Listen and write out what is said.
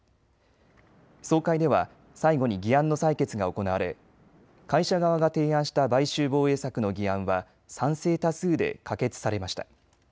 総会では最後に議案の採決が行われ、会社側が提案した買収防衛策の議案は賛成多数で可決されました。